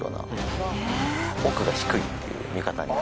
奥が低いっていう見方になる。